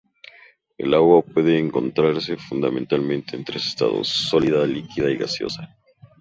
El agua puede encontrarse fundamentalmente en tres estados: sólida, líquida y gaseosa.